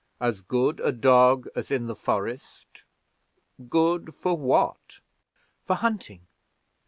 "As good a dog as in the forest good for what?" "For hunting."